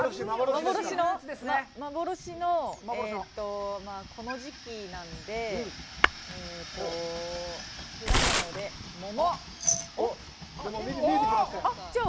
幻の、この時期なんで、果物で桃。